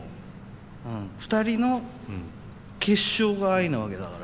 ２人の結晶がアイなわけだから。